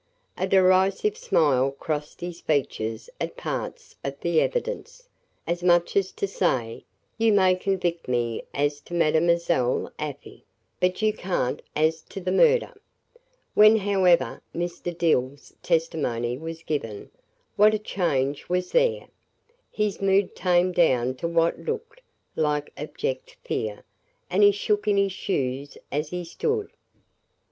A derisive smile crossed his features at parts of the evidence, as much as to say, "You may convict me as to Mademoiselle Afy, but you can't as to the murder." When, however, Mr. Dill's testimony was given, what a change was there! His mood tamed down to what looked like abject fear, and he shook in his shoes as he stood.